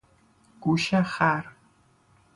گوش خر